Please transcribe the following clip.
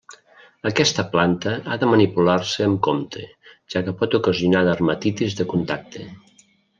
Aquesta planta ha de manipular-se amb compte, ja que pot ocasionar dermatitis de contacte.